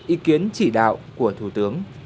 ý kiến chỉ đạo của thủ tướng